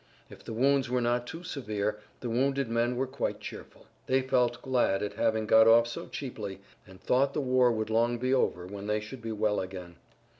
If the wounds were not too severe the wounded men were quite cheerful. They felt glad at having got off so cheaply, and thought the war would long be over when they should be well again.